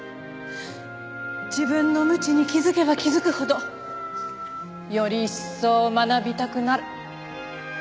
自分の無知に気づけば気づくほどより一層学びたくなる。